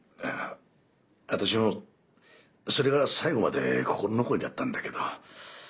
私もそれが最後まで心残りだったんだけど。